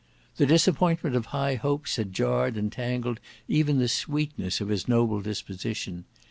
The disappointment of high hopes had jarred and tangled even the sweetness of his noble disposition.